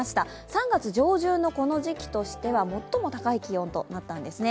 ３月上旬のこの時期としては最も高い気温となったんですね。